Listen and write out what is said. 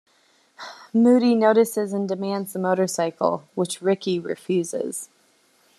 Moody notices and demands the motorcycle, which Ricky refuses.